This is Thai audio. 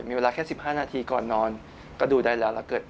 มีเวลาแค่๑๕นาทีก่อนนอนก็ดูได้แล้ว